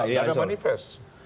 nggak ada manifest